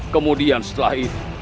kemudian setelah itu